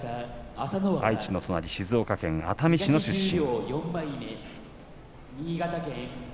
愛知の隣、静岡県熱海市の出身。